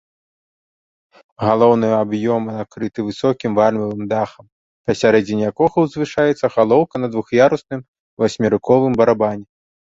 Галоўны аб'ём накрыты высокім вальмавым дахам, пасярэдзіне якога ўзвышаецца галоўка на двух'ярусным васьмерыковым барабане.